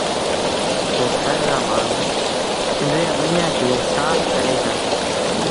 تا ٿر رآ مآڻهوٚٚݩ پنڊريٚآݩ ٻنيٚآݩ کي سآڦ ڪريݩ دآ۔